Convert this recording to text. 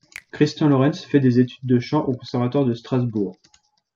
Christian Lorentz fait des études de chant au conservatoire de Strasbourg.